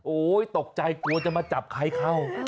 ตกใจกลัวจะมาจับใครเข้า